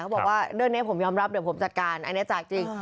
บอกว่าเรื่องนี้ผมยอมรับเดี๋ยวผมจัดการอันนี้จากจริง